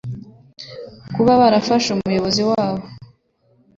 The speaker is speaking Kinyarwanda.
kuba barafashe umuyobozi wabo